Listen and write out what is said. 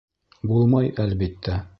Булмай, әлбиттә.